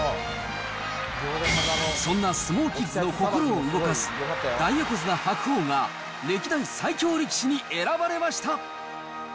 そんな相撲キッズの心を動かす、大横綱・白鵬が、歴代最強力士に選ばれました。